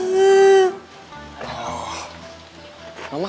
lo juga selain